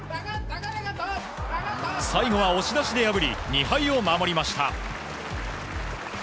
最後は押し出しで破り２敗を守りました。